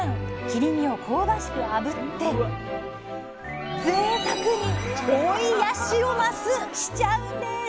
切り身を香ばしくあぶってぜいたくに「追いヤシオマス」しちゃうんです！